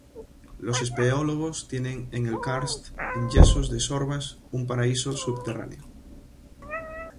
Los espeleólogos tienen en el karst en yesos de Sorbas un paraíso subterráneo.